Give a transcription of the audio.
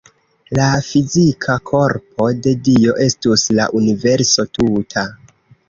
La fizika korpo de Dio estus la universo tuta.